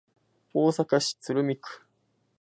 大阪市鶴見区